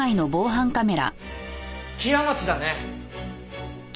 木屋町だね。